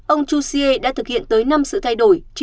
ông chú siê đã thực hiện tới năm sự thay đổi